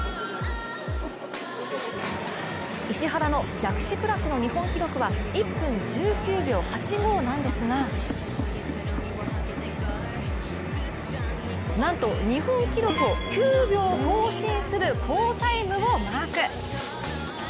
石原の弱視クラスの日本記録は１分１９秒８５なんですがなんと日本記録を９秒更新する好タイムをマーク。